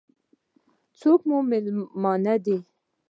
څوک مو مېلمانه دي؟